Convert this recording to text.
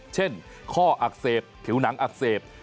เช่นข้ออักเสบผิวหนังอักเสบ